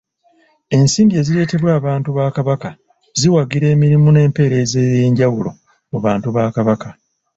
Ensimbi ezireetebwa abantu ba Kabaka ziwagira emirimu n'empeereza ey'enjawulo mu bantu ba Kabaka.